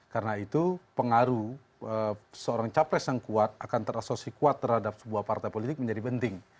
karena itu pengaruh seorang capres yang kuat akan terasosi kuat terhadap sebuah partai politik menjadi penting